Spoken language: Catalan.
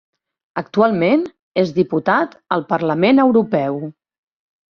Actualment és diputat al Parlament Europeu.